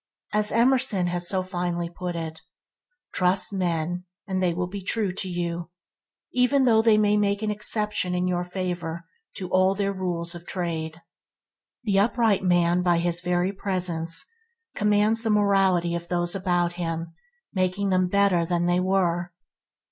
As Emerson has so finely put it – "Trust men and they will be true to you, even though they make an exception in your favor to al their rules of trade." The upright man by his very presence commands the morality of those about him making them better than they were.